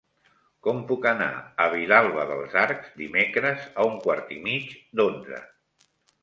Com puc anar a Vilalba dels Arcs dimecres a un quart i mig d'onze?